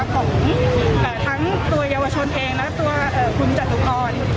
ของทั้งตัวเยาวชนเองและตัวคุณจตุพร